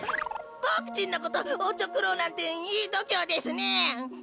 ボクちんのことおちょくろうなんていいどきょうですね！